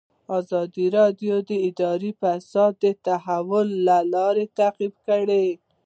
ازادي راډیو د اداري فساد د تحول لړۍ تعقیب کړې.